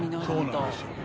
そうなんですよ。